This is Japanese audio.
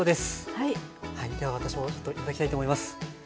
はいでは私もちょっと頂きたいと思います。